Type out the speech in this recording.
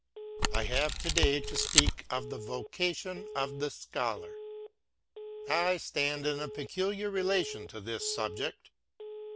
I have to day to speak of the Vocation of the Scholar. I stand in a peculiar relation to this subject.